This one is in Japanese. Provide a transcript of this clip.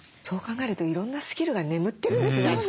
そう考えるといろんなスキルが眠ってるんですね